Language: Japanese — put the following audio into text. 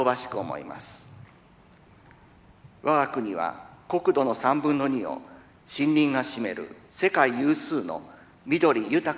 我が国は国土の３分の２を森林が占める世界有数の緑豊かな国です。